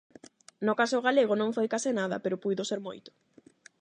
No caso galego non foi case nada, pero puido ser moito.